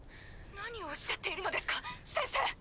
何を仰っているのですか先生！